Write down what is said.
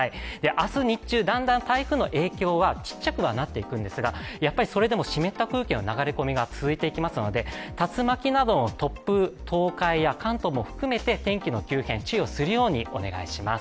明日日中、だんだん台風の影響は小さくはなっていくんですが、やっぱりそれでも湿った空気の流れ込みが続いていきますので、竜巻などの突風、東海や関東を含めて天気の急変に注意をするようにお願いします。